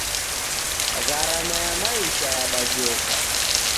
Gharama ya maisha yadajoka